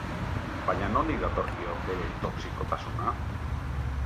Baina nondik datorkio bere toxikotasuna?